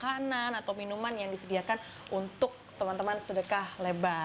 jadi sedekah dan juga makanan atau minuman yang disediakan untuk teman teman sedekah lebar